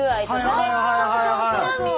はいはいはいはい。